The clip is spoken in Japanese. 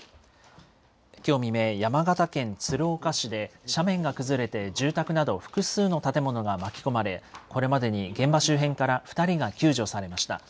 きょう未明、山形県鶴岡市で斜面が崩れて住宅など複数の建物が巻き込まれ、これまでに現場周辺から２人が救助されました。